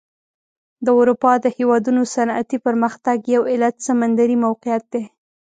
د اروپا د هېوادونو صنعتي پرمختګ یو علت سمندري موقعیت دی.